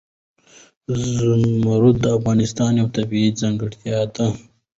زمرد د افغانستان یوه طبیعي ځانګړتیا ده.